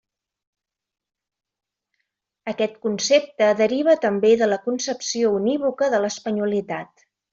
Aquest concepte deriva també de la concepció unívoca de l'espanyolitat.